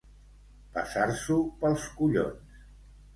Passar-s'ho pels collons.